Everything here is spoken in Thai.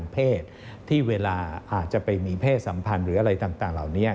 เพศสัมพันธ์หรืออะไรต่างเหล่านี้